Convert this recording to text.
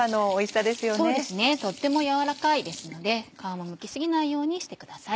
そうですねとっても柔らかいですので皮もむき過ぎないようにしてください。